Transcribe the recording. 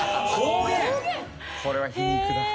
これは皮肉だ。